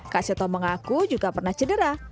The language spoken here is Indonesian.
kak seto mengaku juga pernah cedera